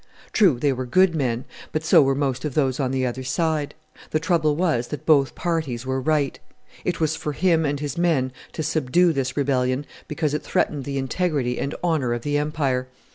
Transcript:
True, they were good men; but so were most of those on the other side. The trouble was that both parties were right. It was for him and his men to subdue this rebellion because it threatened the integrity and honour of the Empire.